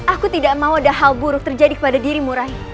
aku tidak mau ada hal buruk terjadi di dalam kerajaan batu janja